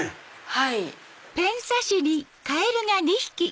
はい。